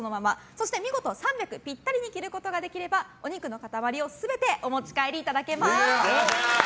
そして見事３００ｇぴったりに切ることができればお肉の塊を全てお持ち帰りいただけます。